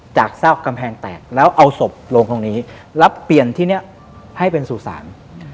ซากกำแพงแตกแล้วเอาศพลงตรงนี้แล้วเปลี่ยนที่นี้ให้เป็นสู่ศาล